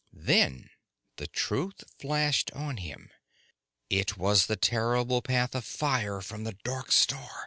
Then the truth flashed on him it was the terrible path of fire from the dark star!